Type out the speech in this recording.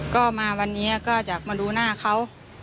ก็มาวันนี้ก็จะมาดูหน้าเขา